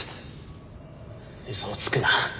嘘をつくな。